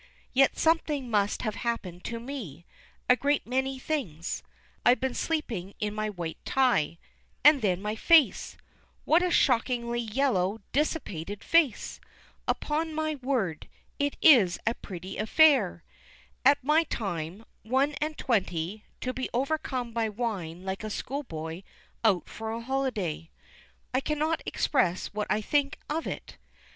Yet something must have happened to me, a great many things. I've been sleeping in my white tie; and then my face! What a shockingly yellow, dissipated face! Upon my word, it is a pretty affair! At my time, one and twenty, to be overcome by wine like a schoolboy out for a holiday! I cannot express what I think of it.